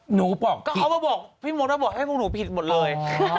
หนูบอกก็เขามาบอกพี่มดว่าบอกให้พวกหนูผิดหมดเลย